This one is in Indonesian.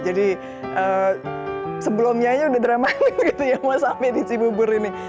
jadi sebelumnya aja udah drama gitu ya mau sampai di cibubur ini